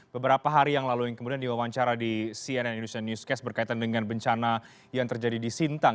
beberapa hari yang lalu yang kemudian diwawancara di cnn indonesia newscast berkaitan dengan bencana yang terjadi di sintang